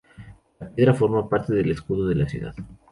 La piedra forma parte del escudo de la ciudad.